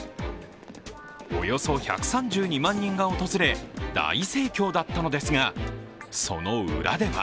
およそ１３２万人が訪れ大盛況だったのですがその裏では